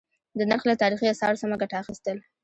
د نرخ له تاريخي آثارو سمه گټه اخيستل: